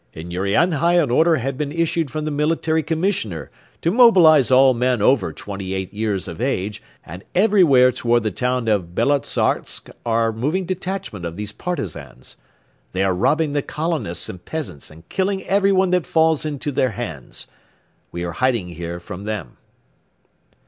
"In Urianhai an order has been issued from the Military Commissioner to mobilize all men over twenty eight years of age and everywhere toward the town of Belotzarsk are moving detachments of these Partisans. They are robbing the colonists and peasants and killing everyone that falls into their hands. We are hiding here from them."